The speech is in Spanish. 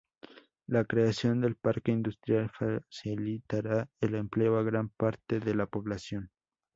La creación del parque industrial facilitará el empleo a gran parte de la población.